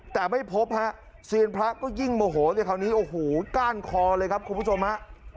แต่ไม่พบฮะเซียนพระก็ยิ่งโมโหแต่คราวนี้โอ้โหก้านคอเลยครับคุณผู้ชมฮะ